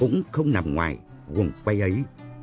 nằm ngoài quầy ấy